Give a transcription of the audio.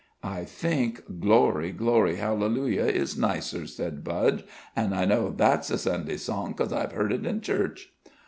"I think 'Glory, glory, hallelujah!' is nicer," said Budge, "an' I know that's a Sunday song, 'cause I've heard it in church."